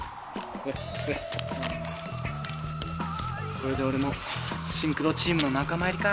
これで俺もシンクロチームの仲間入りか。